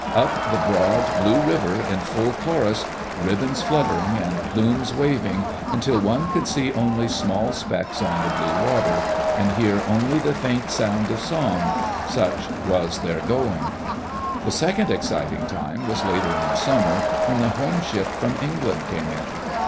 Up the broad, blue river, in full chorus, ribbons f ^^3] Digitized by Google EARLY DAYS IN OLD OREGON fluttering and plumes waving, until one could see only small specks on die blue water, and hear only the faint sound of song — such was their going. The second exciting time was 'later in the summer, when the home ship from England came in.